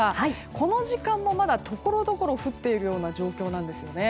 この時間もまだところどころで降っているような状況なんですね。